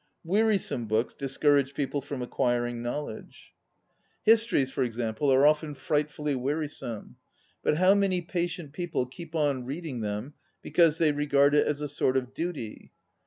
Wearisome books discourage people from acquiring knowledge. 37 ON READING Histories, for example, are often frightfully wearisome; but how many patient people keep on reading them because they regard it as a sort of duty!